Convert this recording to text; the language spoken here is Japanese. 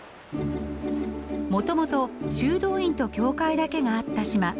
もともと修道院と教会だけがあった島